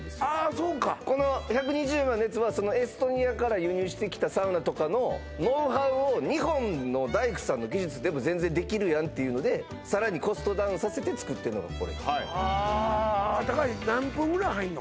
そうかこの１２０万のやつはそのエストニアから輸入してきたサウナとかのノウハウを日本の大工さんの技術でも全然できるやんっていうのでさらにコストダウンさせてつくってんのがこれですねはあ高橋何分ぐらい入んの？